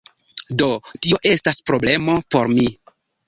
Do, tio estas problemo por mi